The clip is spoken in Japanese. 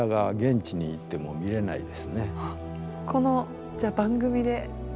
このこのじゃあ番組で。